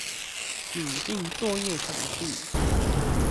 擬定作業程序